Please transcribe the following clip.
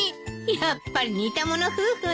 やっぱり似た者夫婦ね。